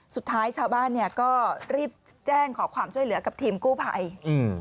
สุดท้ายชาวบ้านเนี่ยก็รีบแจ้งขอความช่วยเหลือกับทีมกู้ภัยอืม